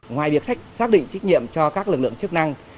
ngoài việc xác định trách nhiệm cho các lực lượng chức năng